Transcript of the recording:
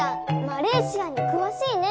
マレーシアにくわしいね。